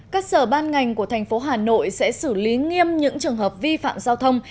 các sở ban ngành của thành phố hà nội sẽ xử lý nghiêm những trường hợp vi phạm giao thông